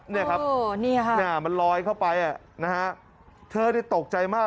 เนี่ยครับมันลอยเข้าไปนะฮะเธอนี่ตกใจมาก